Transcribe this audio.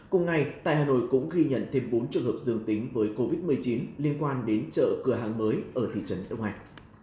cùng ngày tại hà nội cũng ghi nhận thêm bốn trường hợp dương tính với covid một mươi chín liên quan đến chợ cửa hàng mới ở thị trấn đông anh